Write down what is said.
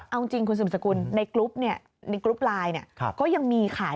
เอาจริงคุณสมศกุลในกรุ๊ปไลน์ก็ยังมีขาย